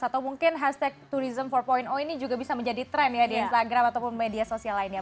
atau mungkin hashtag tourism empat ini juga bisa menjadi tren ya di instagram ataupun media sosial lainnya